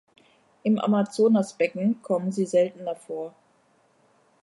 Im Amazonasbecken kommen sie seltener vor.